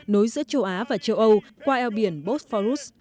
nối giữa châu á và châu âu qua eo biển bosforus